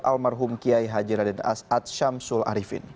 almarhum kiai haji raden as'ad syamsul arifin